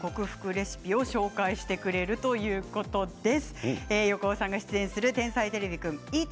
レシピを紹介してくれるということです。